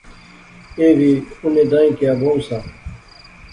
ایہہ وی انیں دائیں کیا بہوں سا